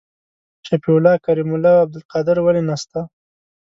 شفیع الله کریم الله او عبدالقادر ولي نسته؟